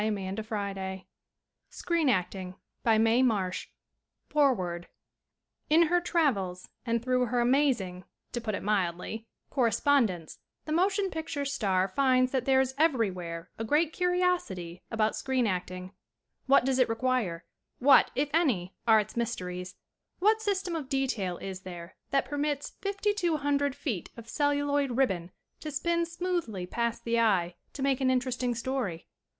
CHAMBER OF COMMERCE BUILDING All Rights Reserved FOREWORD IN her travels and through her amazing to put it mildly correspondence, the mo tion picture star finds that there is every where a great curiosity about screen acting. What does it require? What, if any, are its mysteries? What system of detail is there that permits fifty two hundred feet of celluloid ribbon to spin smoothly past the eye to make an interesting story